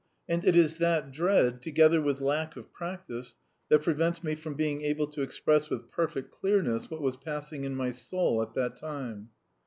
And it is that dread, together with lack of practice, that prevents me from being able to express with perfect clearness what was passing in my soul at that time.